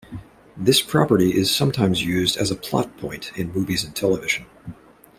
This property is sometimes used as a plot point in movies and television.